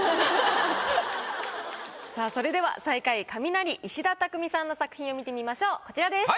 さぁそれでは最下位カミナリ・石田たくみさんの作品を見てみましょうこちらです。